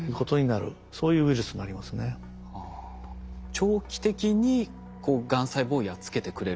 長期的にがん細胞をやっつけてくれる。